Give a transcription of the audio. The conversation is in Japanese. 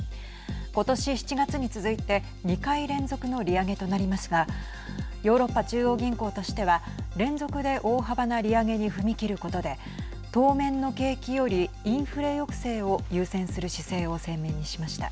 今年７月に続いて２回連続の利上げとなりますがヨーロッパ中央銀行としては連続で大幅な利上げに踏み切ることで当面の景気よりインフレ抑制を優先する姿勢を鮮明にしました。